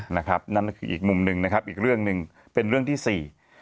นั่นก็คืออีกมุมหนึ่งนะครับอีกเรื่องหนึ่งเป็นเรื่องที่สี่